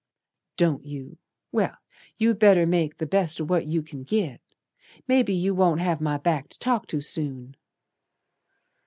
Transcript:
"Don't you! Well, you'd better make the best o' what you can git. Maybe you won't have my back to talk to soon.